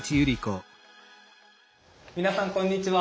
皆さんこんにちは。